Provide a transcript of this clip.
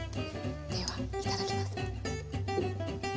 ではいただきます。